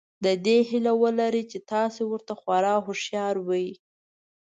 د دې هیله ولرئ چې تاسو ورته خورا هوښیار وئ.